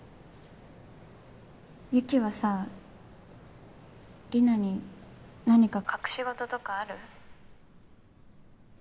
雪はさリナに何か隠し事とかある？